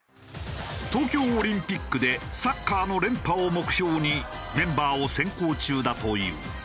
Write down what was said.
東京オリンピックでサッカーの連覇を目標にメンバーを選考中だという。